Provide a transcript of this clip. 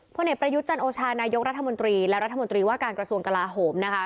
เอกประยุทธ์จันโอชานายกรัฐมนตรีและรัฐมนตรีว่าการกระทรวงกลาโหมนะคะ